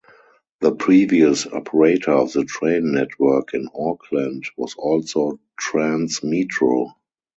The previous operator of the train network in Auckland was also Tranz Metro.